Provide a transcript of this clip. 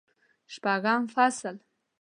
شپږم فصل